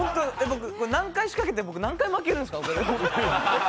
何回仕掛けて、僕、何回負けるんですか。